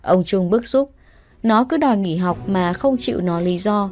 ông trung bức xúc nó cứ đòi nghỉ học mà không chịu nó lý do